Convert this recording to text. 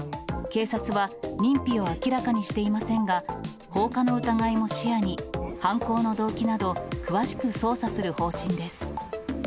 警察は、認否を明らかにしていませんが、放火の疑いも視野に、犯行の動機など詳しく捜査する方針です。